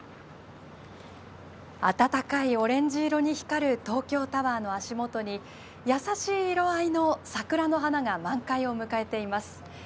暖かいオレンジ色に光る東京タワーの足元に優しい色合いの桜の花が満開を迎えています。